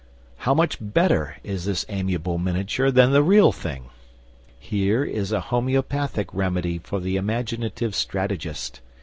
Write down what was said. How much better is this amiable miniature than the Real Thing! Here is a homeopathic remedy for the imaginative strategist.